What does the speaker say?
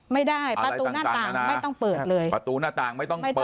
ไม่ได้ประตูหน้าต่าง